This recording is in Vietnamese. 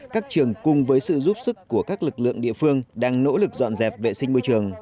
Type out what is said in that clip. các trường cùng với sự giúp sức của các lực lượng địa phương đang nỗ lực dọn dẹp vệ sinh môi trường